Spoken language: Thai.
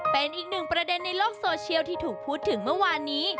เป็นอีกหนึ่งประเด็นในโลกโซเชียลที่ถูกพูดถึงเมื่อวานนี้